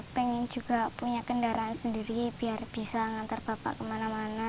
pengen juga punya kendaraan sendiri biar bisa ngantar bapak kemana mana